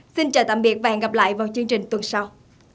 xin chào tạm biệt và hẹn gặp lại vào chương trình tuần sau